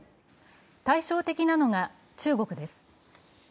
対照的なのが中国です。